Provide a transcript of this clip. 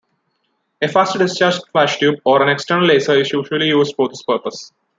A fast discharge flashtube or an external laser is usually used for this purpose.